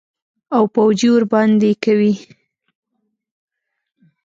او پوجي ورباندي کوي.